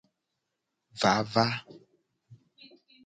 Vava.